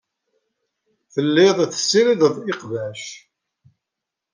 Telliḍ tessirideḍ iqbac.